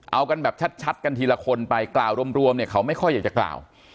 เอากันแบบชัดกันทีละคนไปกล่าวรวมเนี่ยเขาไม่ค่อยอยากจะกล่าว